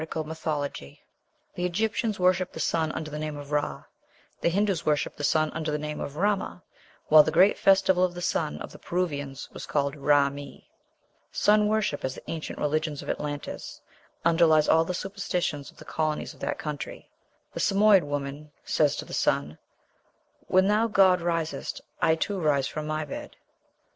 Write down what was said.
Mythology.) The Egyptians worshipped the sun under the name of Ra; the Hindoos worshipped the sun under the name of Rama; while the great festival of the sun, of the Peruvians, was called Ray mi. Sun worship, as the ancient religion of Atlantis, underlies all the superstitions of the colonies of that country. The Samoyed woman says to the sun, "When thou, god, risest, I too rise from my bed."